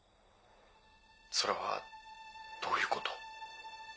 それはどういうこと？